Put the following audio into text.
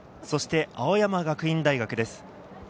そして青山学院大学です。